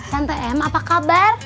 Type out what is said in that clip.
tante em apa kabar